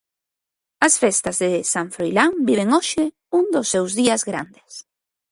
As festas de San Froilán viven hoxe un dos seus días grandes.